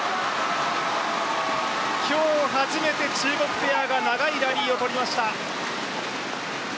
今日初めて中国ペアが長いラリーを取りました。